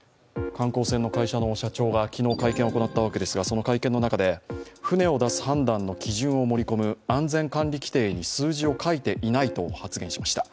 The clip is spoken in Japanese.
観光船の会社の社長が、昨日会見を行いましたがその会見の中で、船を出す判断の基準を盛り込む安全管理規程に数字を書いていないと発言しました。